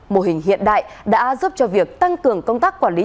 mô hình hiện đại đã giúp cho việc tăng cường công tác quản lý